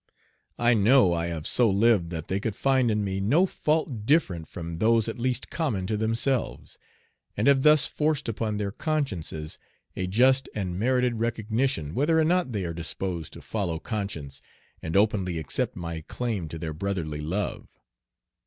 I know I have so lived that they could find in me no fault different from those at least common to themselves, and have thus forced upon their consciences a just and merited recognition whether or not they are disposed to follow conscience and openly accept my claim to their brotherly love.